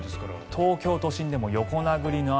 東京都心でも横殴りの雨